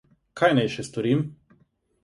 Kaj naj še storim?